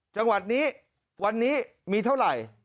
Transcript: จังหวัดนี้วันนี้มีเท่าไหร่